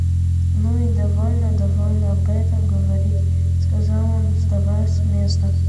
Ну и довольно, довольно об этом говорить, — сказал он, вставая с места.